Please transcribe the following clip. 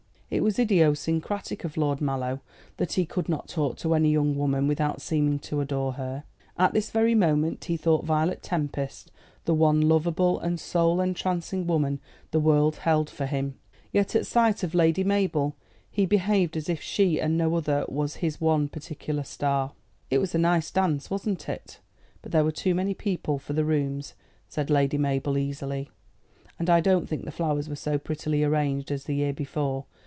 It was idiosyncratic of Lord Mallow that he could not talk to any young woman without seeming to adore her. At this very moment he thought Violet Tempest the one lovable and soul entrancing woman the world held for him; yet at sight of Lady Mabel he behaved as if she and no other was his one particular star. "It was a nice dance, wasn't it? but there were too many people for the rooms," said Lady Mabel easily; "and I don't think the flowers were so prettily arranged as the year before.